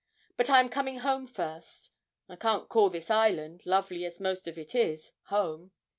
But I am coming home first. (I can't call this island, lovely as most of it is, home.)